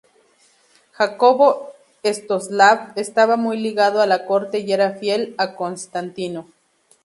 Jacobo Svetoslav estaba muy ligado a la corte y era fiel a Constantino.